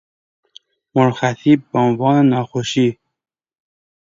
مرخصی بعنوان ناخوشی